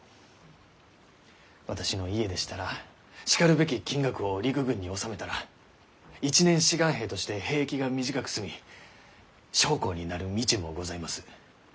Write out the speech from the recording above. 私の家でしたらしかるべき金額を陸軍に納めたら一年志願兵として兵役が短く済み将校になる道もございます。